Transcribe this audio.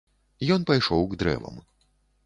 Ён пайшоў к дрэвам.